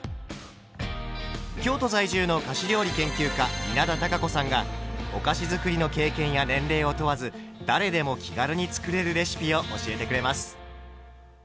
京都在住の菓子料理研究家稲田多佳子さんがお菓子づくりの経験や年齢を問わず誰でも気軽に作れるレシピを教えてくれます。